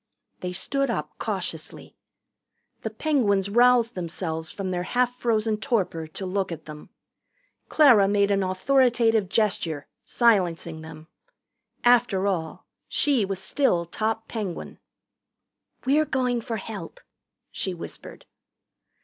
They stood up cautiously. The Penguins roused themselves from their half frozen torpor to look at them. Clara made an authoritative gesture, silencing them. After all, she was still top Penguin. "We're going for help," she whispered.